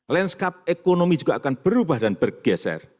landscape ekonomi juga akan berubah dan bergeser